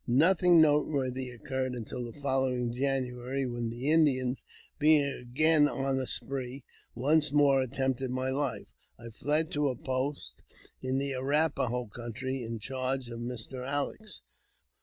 Nothing noteworthy occurred until the following January, when the Indians, being again on the spree, once more attempted my life. I fled to a post in the Arrap a ho country, in charge of Mr. Alex.